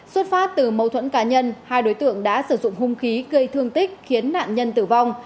xuất phát từ mâu thuẫn cá nhân hai đối tượng đã sử dụng hung khí gây thương tích khiến nạn nhân tử vong